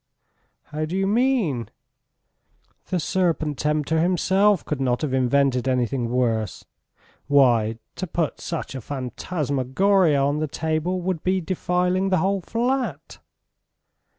..." "How do you mean?" "The serpent tempter himself could not have invented anything worse .... Why, to put such a phantasmagoria on the table would be defiling the whole flat."